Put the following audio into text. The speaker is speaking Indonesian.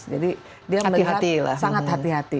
jadi dia sangat hati hati